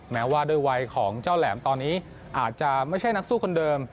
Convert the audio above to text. แม้ว่าด้วยวัยของเจ้าแหลมตอนนี้อาจจะไม่ใช่นักสู้คนเดิม